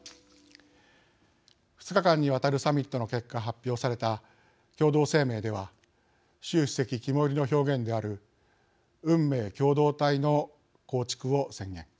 ２日間にわたるサミットの結果発表された共同声明では習主席肝いりの表現である運命共同体の構築を宣言。